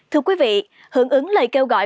thưa quý vị hưởng ứng lời kêu gọi